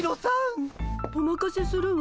おまかせするわ。